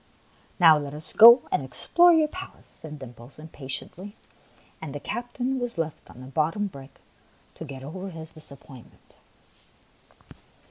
" Now, let us go and explore your palace," said Dimples, impatiently ; and the captain was left on the bottom brick to get over his disappointment.